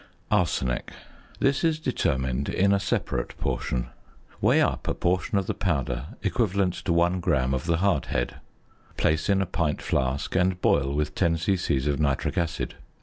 ~Arsenic.~ This is determined in a separate portion. Weigh up a portion of the powder equivalent to 1 gram of the hardhead, place in a pint flask, and boil with 10 c.c. of nitric acid.